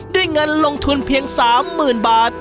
ด้วยเงินลงทุนเพียงสามหมื่นบาท